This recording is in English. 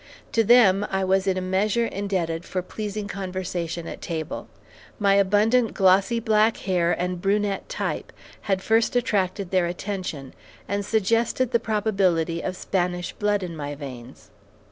To them I was in a measure indebted for pleasing conversation at table. My abundant glossy black hair and brunette type had first attracted their attention, and suggested the probability of Spanish blood in my veins.